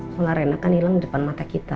soalnya reina kan ilang depan mata kita